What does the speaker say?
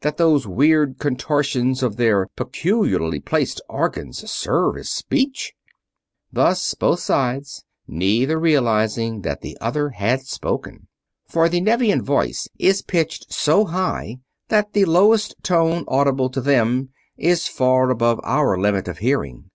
That those weird contortions of their peculiarly placed organs serve as speech?" Thus both sides, neither realizing that the other had spoken. For the Nevian voice is pitched so high that the lowest note audible to them is far above our limit of hearing.